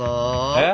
えっ？